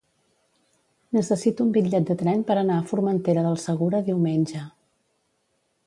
Necessito un bitllet de tren per anar a Formentera del Segura diumenge.